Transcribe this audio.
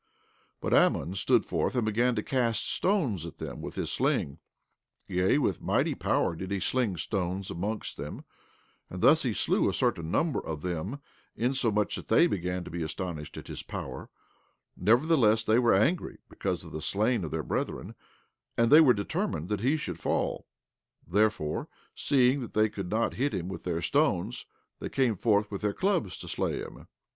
17:36 But Ammon stood forth and began to cast stones at them with his sling; yea, with mighty power he did sling stones amongst them; and thus he slew a certain number of them insomuch that they began to be astonished at his power; nevertheless they were angry because of the slain of their brethren, and they were determined that he should fall; therefore, seeing that they could not hit him with their stones, they came forth with clubs to slay him.